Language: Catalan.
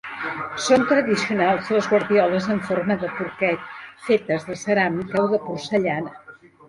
Són tradicionals les guardioles en forma de porquet fetes de ceràmica o de porcellana.